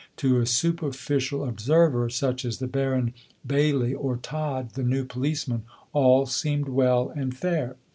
To a superficial observer, such as the Baron Bailie or Todd, the new policeman, all seemed well and fair.